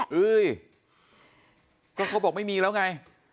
เฮ้ยก็เขาบอกไม่มีแล้วไง